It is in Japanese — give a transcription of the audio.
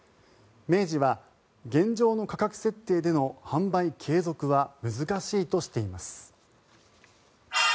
明治は現状の価格設定での販売継続は難しいとしています。